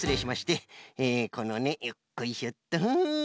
えこのねよっこいしょっとフフ。